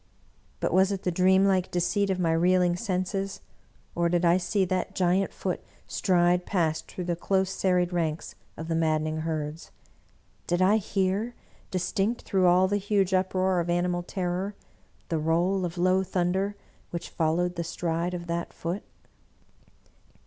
But was it the dreamlike deceit of my reel 96 Bulwer Lytton ing senses, or did I see that giant Foot stride past through the close serried ranks of the maddening herds? Did I hear, distinct through all the huge uproar of animal ter ror, the roll of low thunder which followed the stride of that Foot?